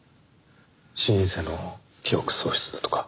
心因性の記憶喪失だとか。